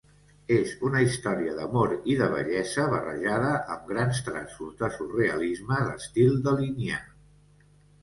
És una història d'amor i de bellesa barrejada amb grans traços de surrealisme d'estil dalinià.